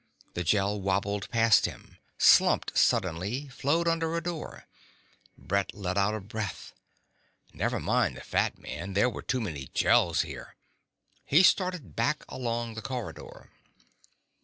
The Gel wobbled past him, slumped suddenly, flowed under a door. Brett let out a breath. Never mind the fat man. There were too many Gels here. He started back along the corridor.